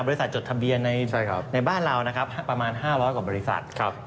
บริษัทจดทะเบียนในบ้านเราประมาณ๕๐๐กว่าบริษัท